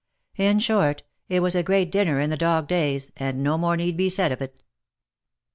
In short, it was a great dinner in the dog days, and no more need be said of it.